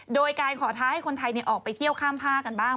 โดยการขอท้าให้คนไทยออกไปเที่ยวข้ามผ้ากันบ้าง